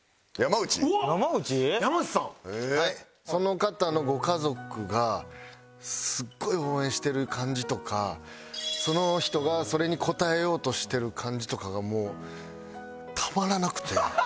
その方のご家族がすっごい応援してる感じとかその人がそれに応えようとしてる感じとかがもうたまらなくて。